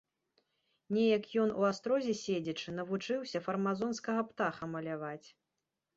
Неяк ён, у астрозе седзячы, навучыўся фармазонскага птаха маляваць.